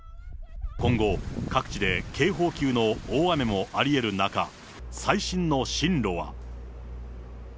今後、各地で警報級の大雨もありえる中、最新の進路は。